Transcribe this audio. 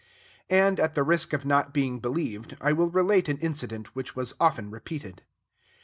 And, at the risk of not being believed, I will relate an incident, which was often repeated.